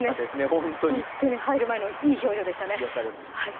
本当に入る前のいい表情でしたね。